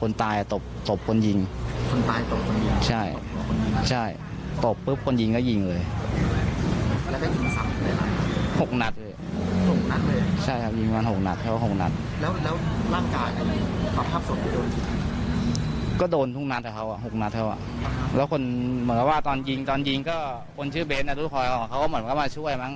แล้วคนเหมือนกับว่าตอนยิงตอนยิงก็คนชื่อเบนอารุคอยของเขาก็มาช่วยมั้ง